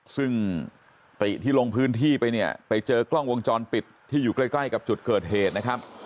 ซึ่งติที่ลงพื้นที่ไปเนี่ยไปเจอกล้องวงจรปิดที่อยู่ใกล้ใกล้กับจุดเกิดเหตุนะครับ